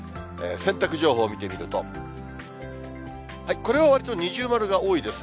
洗濯情報見てみると、これはわりと二重丸がおおいですね。